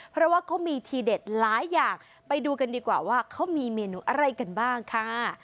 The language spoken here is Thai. เพราะว่าเขามีทีเด็ดหลายอย่างไปดูกันดีกว่าว่าเขามีเมนูอะไรกันบ้างค่ะ